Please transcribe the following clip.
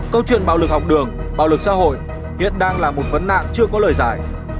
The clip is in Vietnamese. câu chuyện bạo lực học đường bạo lực xã hội hiện đang là một vấn nạn chưa có lời giải